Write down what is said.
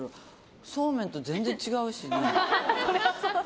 そうめんと全然違うしね。